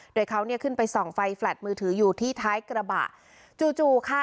โดยเขาเนี่ยขึ้นไปส่องไฟแลตมือถืออยู่ที่ท้ายกระบะจู่จู่ค่ะ